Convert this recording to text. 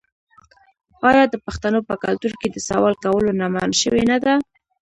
آیا د پښتنو په کلتور کې د سوال کولو نه منع شوې نه ده؟